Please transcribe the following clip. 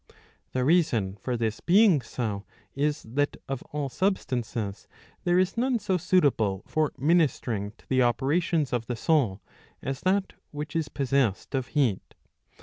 The reason for this being so is that of all substances there is none so suitable for ministering to the operations of the soul as that which is possessed of heat.